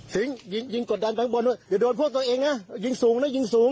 สิงห์ยิงกดดันบนอย่าโดนพวกตัวเองนะยิงสูงนะยิงสูง